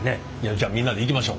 じゃあみんなでいきましょう。